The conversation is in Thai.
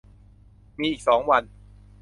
มีอีกสองวัน